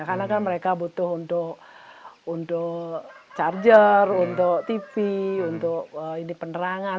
karena kan mereka butuh untuk charger untuk tv untuk ini penerangan